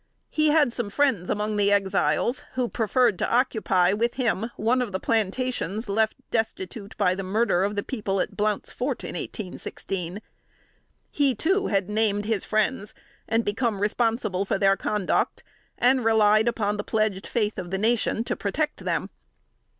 He had some friends among the Exiles who preferred to occupy, with him, one of the plantations left destitute by the murder of the people at "Blount's Fort," in 1816. He too had named his friends and become responsible for their conduct, and relied upon the pledged faith of the nation to protect them.